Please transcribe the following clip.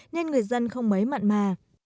nên người dân không mấy mạn mà